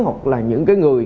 hoặc là những cái người